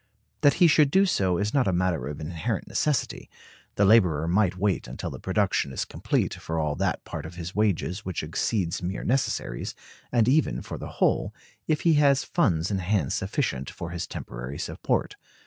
That he should do so is not a matter of inherent necessity; the laborer might wait until the production is complete for all that part of his wages which exceeds mere necessaries, and even for the whole, if he has funds in hand sufficient for his temporary support.